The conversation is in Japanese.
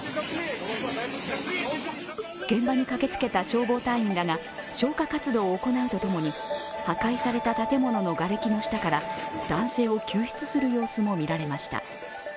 現場に駆けつけた消防隊員らが消火活動を行うとともに破壊された建物のがれきの下から男性を救出する様子もみられました。